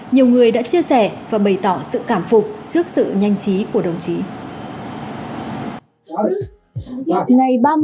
nhiều người đã chia sẻ và bày tỏ sự cảm phục trước sự nhanh trí của đồng chí